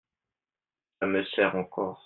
Ca me serre encore…